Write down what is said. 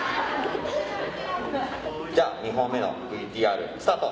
じゃあ２本目のＶＴＲスタート！